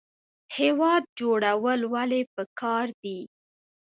هیواد جوړول ولې پکار دي؟